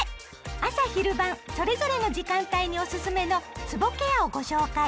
朝・昼・晩それぞれの時間帯におすすめのつぼケアをご紹介。